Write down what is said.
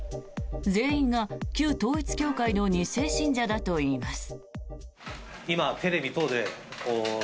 全員が旧統一教会の２世信者だといいます。